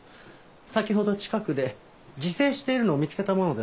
先ほど近くで自生しているのを見つけたものですから。